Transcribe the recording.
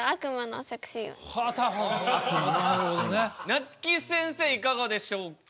なつき先生いかがでしょうか？